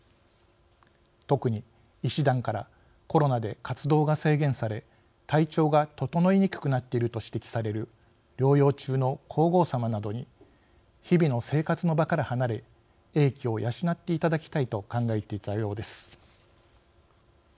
特に医師団からコロナで活動が制限され体調が整いにくくなっていると指摘される療養中の皇后さまなどに日々の生活の場から離れ英気を養っていただきたいと考えていたようです。